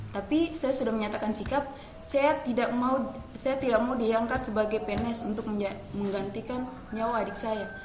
tapi saya sudah menyatakan sikap saya tidak mau diangkat sebagai pns untuk menggantikan nyawa adik saya